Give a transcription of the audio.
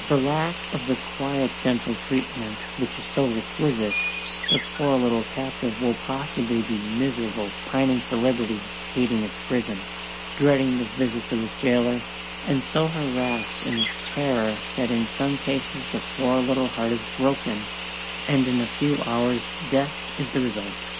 For lack of the quiet gentle treatment which is so requisite, the poor little captive will possibly be miserable, pining for liberty, hating its prison, dreading the visits of its jailor, and so harassed in its terror that in some cases the poor little heart is broken, and in a few hours death is the result.